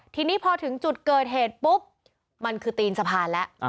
ทีนี้พอถึงจุดเกิดเหตุปุ๊บมันคือตีนสะพานแล้ว